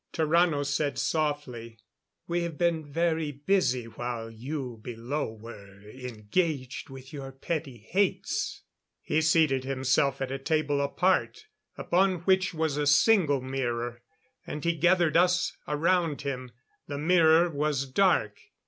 Tarrano said softly: "We have been very busy while you below were engaged with your petty hates." He seated himself at a table apart, upon which was a single mirror, and he gathered us around him. The mirror was dark.